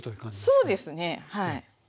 そうですねはい。